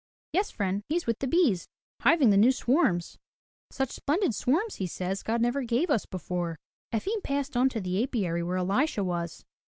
'' "Yes, friend, he's with the bees, hiving the new swarms. Such splendid swarms, he says, God never gave us before." Efim passed on to the apiary where Elisha was.